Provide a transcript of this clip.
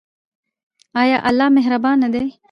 ایا الله مهربان دی؟